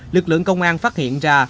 lực lượng công an phát hiện ra